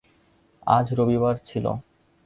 আজ রবিবার ছিল।